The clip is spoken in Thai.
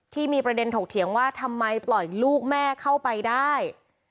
ที่มีประเด็นถกเถียงว่าทำไมปล่อยลูกแม่เข้าไปได้